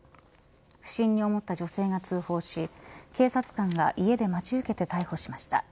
不審に思った女性が通報し警察官が家で待ち受けて逮捕しました。